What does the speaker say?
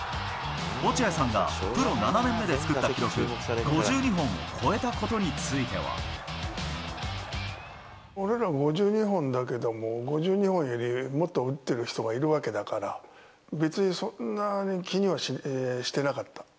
落合さんがプロ７年目で作った記俺の５２本だけども、５２本よりもっと打ってる人がいるわけだから、別にそんなに気にはしてなかった。